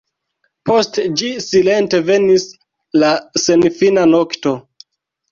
Post ĝi silente venis la senfina nokto.